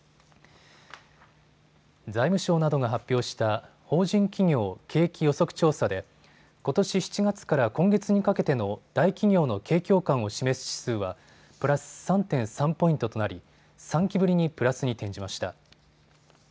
財務省などが発表した法人企業景気予測調査でことし７月から今月にかけての大企業の景況感を示す指数はプラス３．３ポイントとなり、３期ぶりにプラスに転じました。